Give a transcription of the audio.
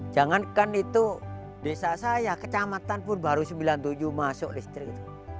jangankan itu desa saya kecamatan pun baru sembilan puluh tujuh masuk listrik